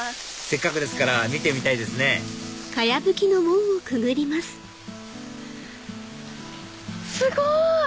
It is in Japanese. せっかくですから見てみたいですねすごい！